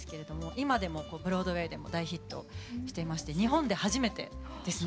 今でもブロードウェイでも大ヒットしていまして日本で初めてですね。